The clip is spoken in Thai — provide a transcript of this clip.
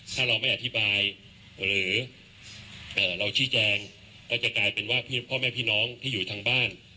ถ้าเราไม่อธิบายหรือเราชี้แจงก็จะกลายเป็นว่าพ่อแม่พี่น้องที่อยู่ทางบ้าน